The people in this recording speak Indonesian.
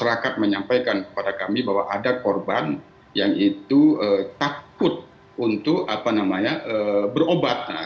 masyarakat menyampaikan kepada kami bahwa ada korban yang itu takut untuk berobat